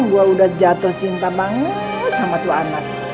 gua udah jatuh cinta banget sama tua anak